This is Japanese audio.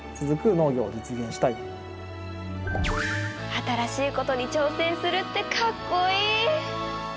新しいことに挑戦するってかっこいい！